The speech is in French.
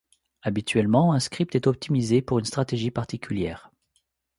Habituellement, un script est optimisé pour une stratégie particulière.